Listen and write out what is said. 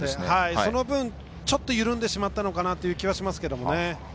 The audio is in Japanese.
その分ちょっと緩んでしまったのかなという気がしますけれどもね。